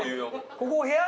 ここお部屋？